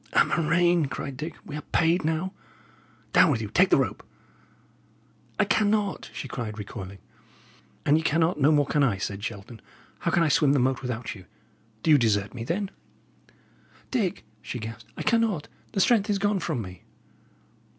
"A murrain!" cried Dick. "We are paid now! Down with you take the rope." "I cannot," she cried, recoiling. "An ye cannot, no more can I," said Shelton. "How can I swim the moat without you? Do you desert me, then?" "Dick," she gasped, "I cannot. The strength is gone from me."